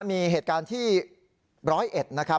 มีเหตุการณ์ที่ร้อยเอ็ดนะครับ